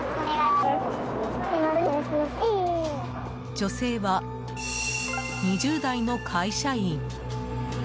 女性は２０代の会社員。